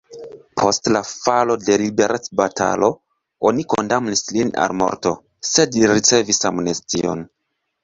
Post la falo de liberecbatalo oni kondamnis lin al morto, sed li ricevis amnestion.